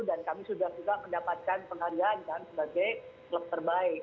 dan kami sudah mendapatkan penghargaan kan sebagai klub terbaik